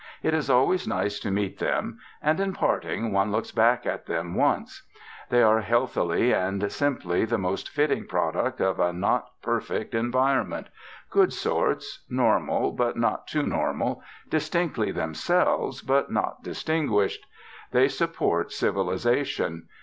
It is always nice to meet them, and in parting one looks back at them once. They are, healthily and simply, the most fitting product of a not perfect environment; good sorts; normal, but not too normal; distinctly themselves, but not distinguished. They support civilisation.